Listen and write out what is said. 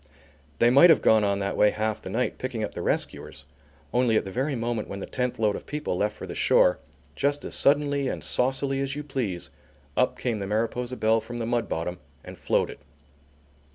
They might have gone on that way half the night, picking up the rescuers, only, at the very moment when the tenth load of people left for the shore, just as suddenly and saucily as you please, up came the Mariposa Belle from the mud bottom and floated.